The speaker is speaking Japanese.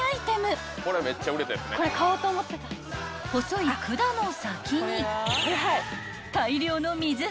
［細い管の先に］